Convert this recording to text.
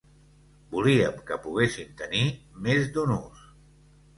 Volíem que poguessin tenir més d’un ús.